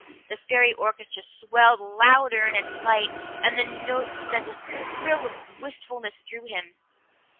The fairy orchestra swelled louder in its light, and the notes sent a thrill of wistfulness through him.